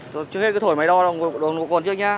trước hết cứ thổi máy đo đồng cồn trước nha